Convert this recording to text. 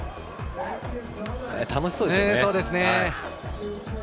楽しそうですね。